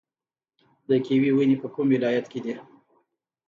د کیوي ونې په کوم ولایت کې دي؟